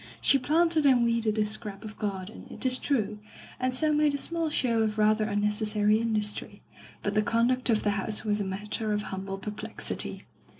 She planted and weeded a scrap of garden, it is true, and so made a small show of rather un necessary industry, but the conduct of the house was a matter of humble perplexity.